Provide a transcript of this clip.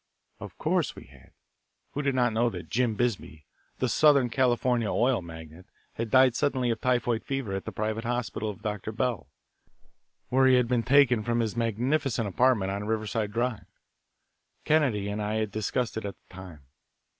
Of course we had. Who did not know that "Jim" Bisbee, the southern California oil magnate, had died suddenly of typhoid fever at the private hospital of Dr. Bell, where he had been taken from his magnificent apartment on Riverside Drive? Kennedy and I had discussed it at the time.